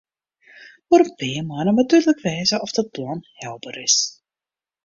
Oer in pear moanne moat dúdlik wêze oft it plan helber is.